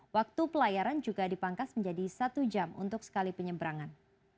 waktu pelayaran juga dipangkas menjadi satu jam untuk sekali penyeberangan